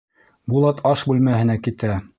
Булат аш бүлмәһенә китә.